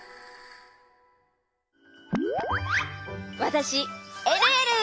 わたしえるえる！